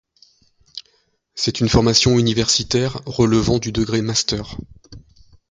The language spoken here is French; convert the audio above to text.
C'est une formation universitaire relevant du degré master.